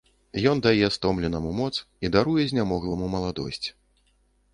Ён дае стомленаму моц і даруе знямогламу маладосць.